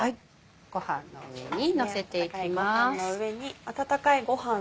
ご飯の上にのせていきます。